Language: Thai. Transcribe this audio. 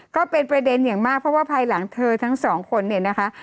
ก็เป็นประเด็นอย่างมากเพราะว่าภายหลังเธอทั้งสองคนเนี่ยนะคะ